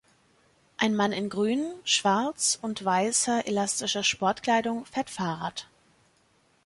Ein Mann in grün, schwarz und weißer elastischer Sportkleidung fährt Fahrrad